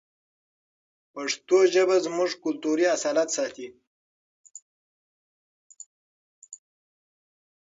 پښتو ژبه زموږ کلتوري اصالت ساتي.